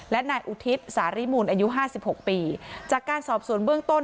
และนายอุทิศสาริมูลอายุห้าสิบหกปีจากการสอบสวนเบื้องต้น